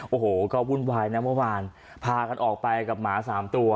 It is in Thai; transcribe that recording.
โอ้โหก็วุ่นวายนะเมื่อวานพากันออกไปกับหมาสามตัว